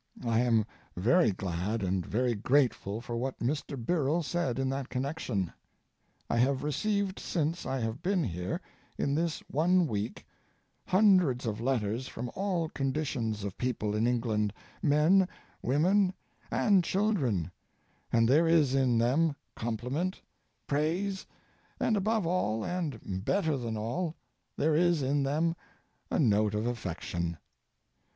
I am very glad and very grateful for what Mr. Birrell said in that connection. I have received since I have been here, in this one week, hundreds of letters from all conditions of people in England—men, women, and children—and there is in them compliment, praise, and, above all and better than all, there is in them a note of affection.